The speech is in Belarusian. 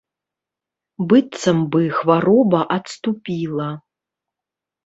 Быццам бы хвароба адступіла.